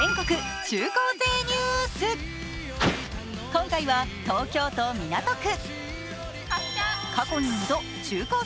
今回は東京都港区。